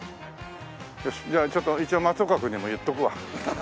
よしじゃあちょっと一応松岡君にも言っておくわ。